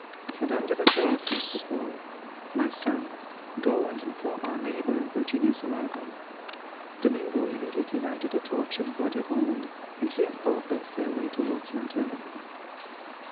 Madame de la Tour said to Paul, "My son, go and inform our neighbour of Virginia's arrival." Domingo immediately lighted a torch of bois de ronde, and he and Paul bent their way towards my dwelling.